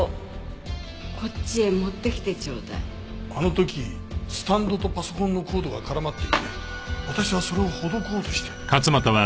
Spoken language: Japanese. あの時スタンドとパソコンのコードが絡まっていて私はそれをほどこうとして。